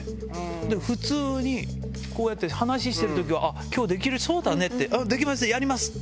で、普通にこうやって話してるときは、きょうできそうだねって、あっ、できます、やりますって。